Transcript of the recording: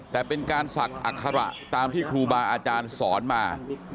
แต่เป็นการศักดิ์อัคระตามที่ครูบาอาจารย์สอนมา